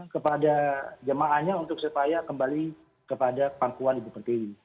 kepada jemaahnya untuk supaya kembali ke pangkuan ibu parti ini